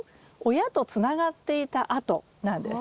親とつながっていた跡なんです。